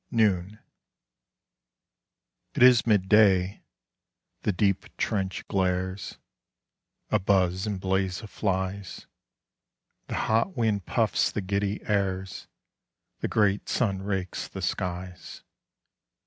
NOON It is midday: the deep trench glares.... A buzz and blaze of flies.... The hot wind puffs the giddy airs.... The great sun rakes the skies.